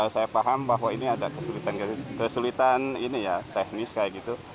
saya paham bahwa ini ada kesulitan teknis kayak gitu